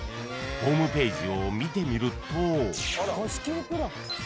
［ホームページを見てみると］